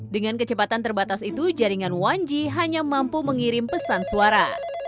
dengan kecepatan terbatas itu jaringan satu g hanya mampu mengirim pesan suara